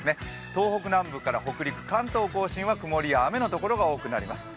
東北南部から北陸、関東甲信は曇りや雨のところが多くなります。